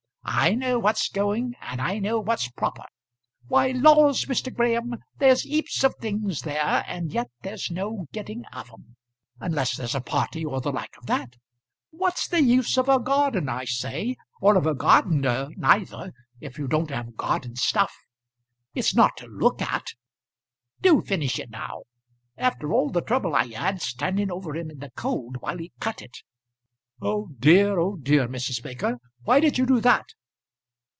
I know what's going and I know what's proper. Why, laws, Mr. Graham, there's heaps of things there and yet there's no getting of 'em; unless there's a party or the like of that. What's the use of a garden I say, or of a gardener neither, if you don't have garden stuff? It's not to look at. Do finish it now; after all the trouble I had, standing over him in the cold while he cut it." "Oh dear, oh dear, Mrs. Baker, why did you do that?"